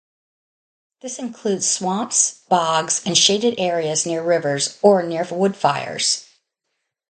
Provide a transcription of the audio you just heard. This includes swamps, bogs, and shaded areas near rivers or near wood fires.